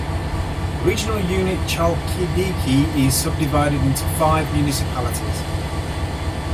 The regional unit Chalkidiki is subdivided into five municipalities.